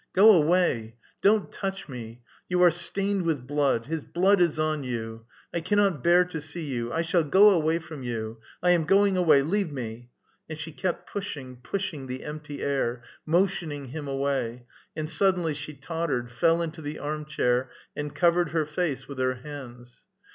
" Go away ! Don't touch me ! You are stained with blood ! His blood is on you ! I cannot bear to see you ! 1 shall go away from you ! I am going away ! Leave me !" And she kept pushing, pushing the empty air, motioning him away, and suddenly she tottered, fell into the arm chair, and cov ered her face with her hands.